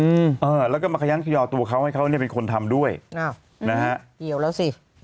อืมเออแล้วก็มาขยันขยอตัวเขาให้เขาเนี้ยเป็นคนทำด้วยอ้าวนะฮะเกี่ยวแล้วสิ